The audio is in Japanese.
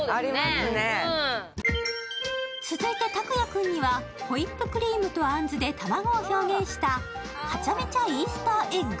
続いて拓哉君にはホイップクリームとあんずで卵を表現したハチャメチャ・イースターエッグ？